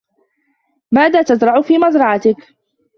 ماذا تزرع في مزرعتك؟